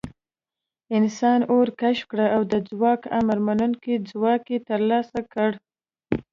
انسان اور کشف کړ او د ځواک امرمنونکی ځواک یې تر لاسه کړ.